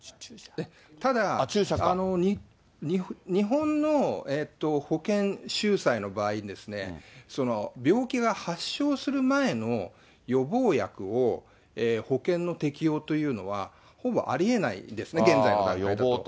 ただ、日本の保険しゅうさの場合に、病気が発症する前の予防薬を保険の適用というのは、ほぼありえないですね、現在の段階では。